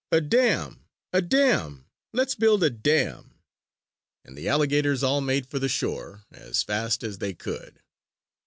A dam! A dam! Let's build a dam!" And the alligators all made for the shore as fast as they could.